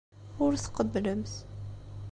Ur tqebblemt.